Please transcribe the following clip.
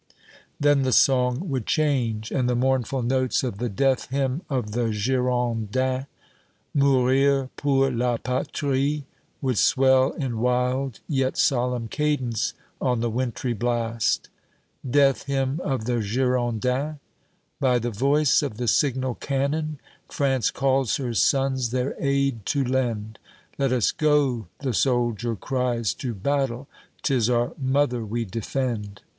Then the song would change and the mournful notes of the "Death Hymn of the Girondins," "Mourir Pour la Patrie" would swell in wild yet solemn cadence on the wintry blast: DEATH HYMN OF THE GIRONDINS. By the voice of the signal cannon, France calls her sons their aid to lend; "Let us go," the soldier cries, "to battle! 'Tis our mother we defend!"